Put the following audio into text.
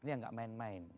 ini yang tidak main main